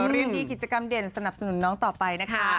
เรียนมีกิจกรรมเด่นสนับสนุนน้องต่อไปนะคะ